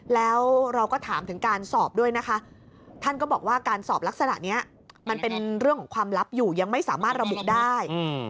แล้วเราก็ถามถึงการสอบด้วยนะคะท่านก็บอกว่าการสอบลักษณะนี้มันเป็นเรื่องของความลับอยู่ยังไม่สามารถระบุได้